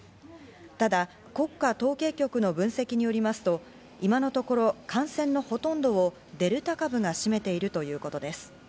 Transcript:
ただ国家統計局の分析によりますと、今のところ感染のほとんどをデルタ株が占めているということです。